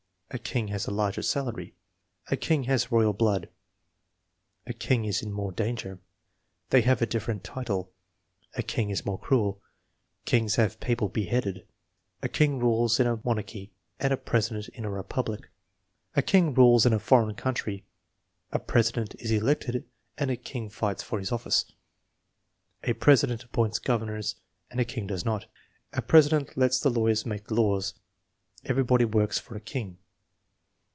"A king has a larger salary." "A king has royal blood." "A king is in more danger." "They have a different title," "A king is more cruel." "Kings have people beheaded." "A king rules in a monarchy and a president in a republic." "A king rules in a foreign country." "A president is elected and a king fights for his office." "A president appoints governors and a king does not." "A president lets the lawyers make the laws." "Everybody works for a king."